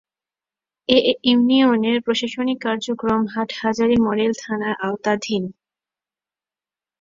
এ ইউনিয়নের প্রশাসনিক কার্যক্রম হাটহাজারী মডেল থানার আওতাধীন।